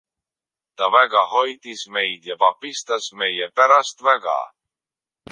Ta väga hoidis meid ja pabistas meie pärast väga.